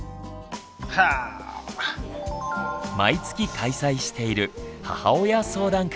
毎月開催している「母親相談会」。